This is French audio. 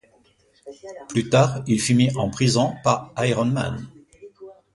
Plus tard, il fut mis en prison par Iron Man.